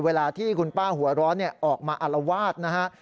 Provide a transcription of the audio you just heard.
เวลาที่คุณป้าหัวร้อนออกมาอารวาสนะฮะ